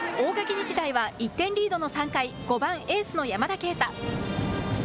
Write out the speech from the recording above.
日大は１点リードの３回、５番・エースの山田渓太。